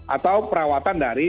atau perawatan dari